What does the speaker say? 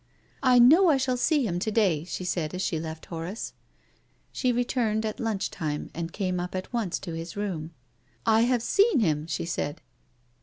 "I know I shall see him to day," she said, as she left Horace. She returned at lunch time, and came up at once to his room. " I have seen him," she said.